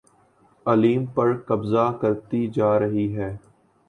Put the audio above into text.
علیم پر قبضہ کرتی جا رہی ہے